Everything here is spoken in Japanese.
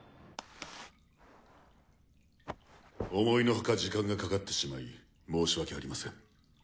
思いのほか時間がかかってしまい申し訳ありません。